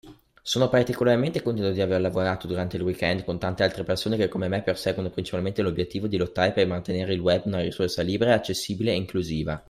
Sono particolarmente contento di aver lavorato, durante il weekend, con tante altre persone che come me perseguono principalmente l’obbiettivo di lottare per mantere il Web una risorsa libera, accessibile e inclusiva.